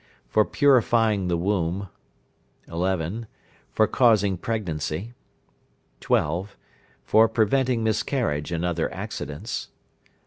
For purifying the womb. 11. For causing pregnancy. 12. For preventing miscarriage and other accidents.